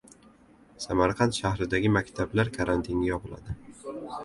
Samarqand shahridagi maktablar karantinga yopiladi